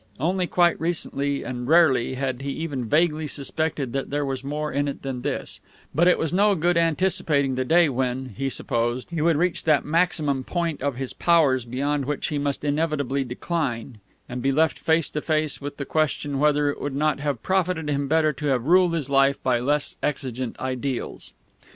Only quite recently, and rarely, had he even vaguely suspected that there was more in it than this; but it was no good anticipating the day when, he supposed, he would reach that maximum point of his powers beyond which he must inevitably decline, and be left face to face with the question whether it would not have profited him better to have ruled his life by less exigent ideals.